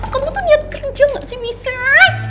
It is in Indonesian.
kamu tuh niat kerja gak sih miss young